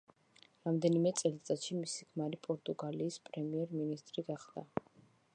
რამდენიმე წელიწადში მისი ქმარი პორტუგალიის პრემიერ-მინისტრი გახდა.